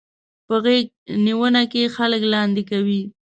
په غېږنيونه کې خلک لاندې کوي.